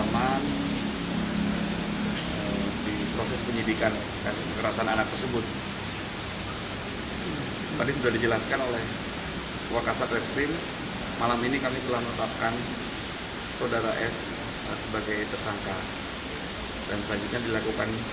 makanya dilakukan pemeriksaan di pores sebagai tersangka